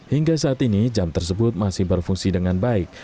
hingga saat ini jam tersebut masih berfungsi dengan baik